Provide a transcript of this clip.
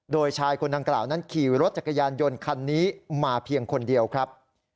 โดยชายคนดังกล่าวนั้นขี่รถจักรยานยนต์คันนี้มาเพียงคนเดียวครับ